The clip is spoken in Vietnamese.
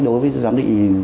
đối với giám định